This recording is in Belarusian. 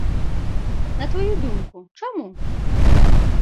На тваю думку, чаму?